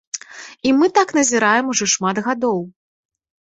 І мы так назіраем ужо шмат гадоў.